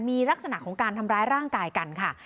มีลักษณะของการทำร้ายร่างกายกันค่ะ